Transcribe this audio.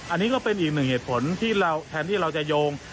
อันนี้ก็เป็นอีกหนึ่งเหตุผลที่เราแทนที่เราจะโยง